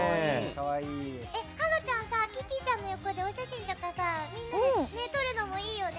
芭路ちゃんキティちゃんの横でお写真とかみんなで撮るのもいいよね！